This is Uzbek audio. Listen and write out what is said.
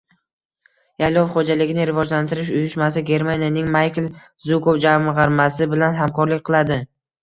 Yaylov xo‘jaligini rivojlantirish uyushmasi Germaniyaning “Maykl Zukov jamg‘armasi” bilan hamkorlik qiladi